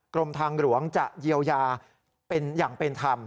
กรมทางหลวงจะเยียวยาเป็นอย่างเป็นธรรม